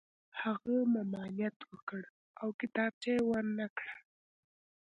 هغه ممانعت وکړ او کتابچه یې ور نه کړه